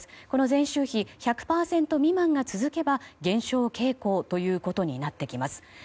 この前週比１００％未満が続けば減少傾向ということになってきます。